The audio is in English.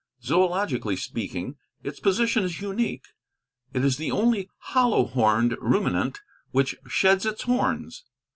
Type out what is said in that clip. Zoölogically speaking, its position is unique. It is the only hollow horned ruminant which sheds its horns.